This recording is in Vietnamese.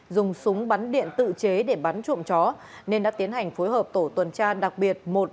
dùng súng bắn điện tự chế để bắn trộm chó nên đã tiến hành phối hợp tổ tuần tra đặc biệt